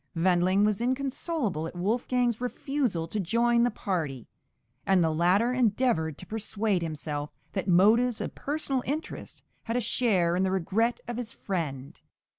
Wendling was inconsolable at Wolfgang's refusal to join the party; and the latter endeavoured to persuade himself that motives of personal interest had a share in the regret of his friend.